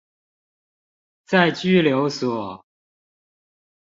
在拘留所